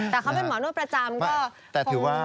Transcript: แต่เขาเป็นหมอโน้นประจำก็คง